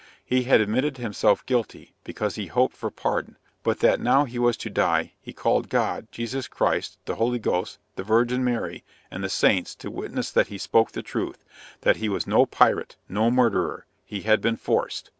He had admitted himself guilty, because he hoped for pardon; but that now he was to die, he called God, Jesus Christ, the Holy Ghost, the Virgin Mary, and the Saints, to witness that he spoke the truth that he was no pirate, no murderer he had been forced.